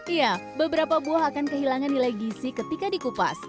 iya beberapa buah akan kehilangan nilai gizi ketika dikupas